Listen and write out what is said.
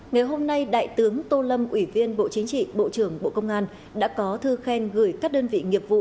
ngày hôm nay đại tướng tô lâm ủy viên bộ chính trị bộ trưởng bộ công an đã có thư khen gửi các đơn vị nghiệp vụ